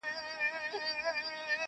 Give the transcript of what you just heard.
بل خوشاله په درملو وايي زېری مي درباندي؛